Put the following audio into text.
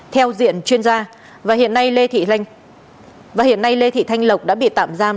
theo diện chuyên gia hiện nay lê thị thanh lộc đã bị tạm giam